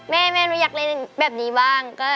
แม่หนูอยากเล่นแบบนี้บ้าง